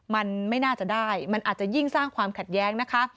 มันไม่น่าจะได้มันอาจจะยิ่งสร้างความขัดแย้งนะคะ